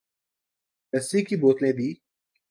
لسی کی بوتلیں دی ۔